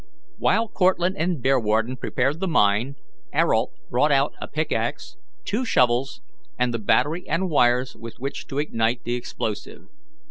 While Cortlandt and Bearwarden prepared the mine, Ayrault brought out a pickaxe, two shovels, and the battery and wires with which to ignite the explosive.